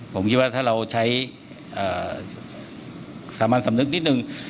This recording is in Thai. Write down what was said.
ผมคิดว่าถ้าเราใช้สามัญสำนึกนิดนึง